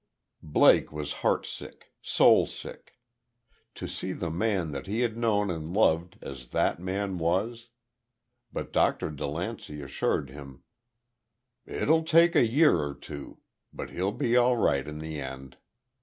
Blake was heart sick soul sick. To see the man that he had known and loved as that man was! But Dr. DeLancey assured him: "It'll take a year or two. But he'll be all right in the end."